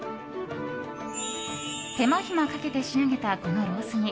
手間暇かけて仕上げたこのロース煮。